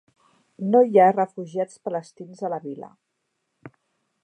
No hi ha refugiats palestins a la vila.